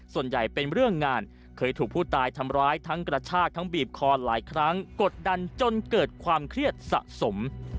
เป็นเรื่องงานเคยถูกผู้ตายทำร้ายทั้งกระชากทั้งบีบคอหลายครั้งกดดันจนเกิดความเครียดสะสม